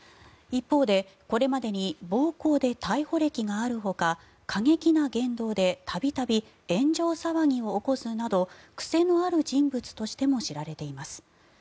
一方で、これまでに暴行で逮捕歴があるほか過激な言動で度々、炎上騒ぎを起こすなど癖のある人物としても知られています。